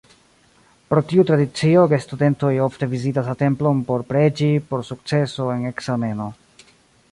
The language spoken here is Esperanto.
Pro tiu tradicio gestudentoj ofte vizitas la templon por preĝi por sukceso en ekzameno.